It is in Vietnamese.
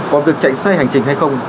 còn việc chạy xe hành trình hay không